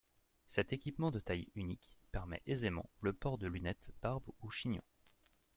Cet équipement de taille unique permet aisément le port de lunettes, barbes ou chignons.